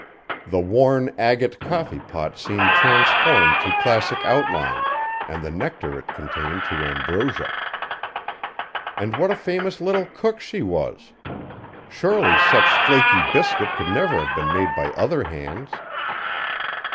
The worn agate coffee pot seemed transformed to classic outline, and the nectar it contained to ambrosia. And what a famous little cook she was! Surely such flaky biscuit could never have been made by other hands.